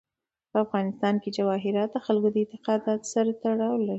په افغانستان کې جواهرات د خلکو د اعتقاداتو سره تړاو لري.